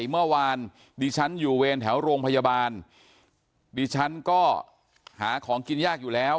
เมื่อวานดิฉันอยู่เวรแถวโรงพยาบาลดิฉันก็หาของกินยากอยู่แล้ว